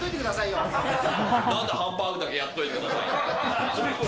なんだ、ハンバーグだけやっといてくださいって。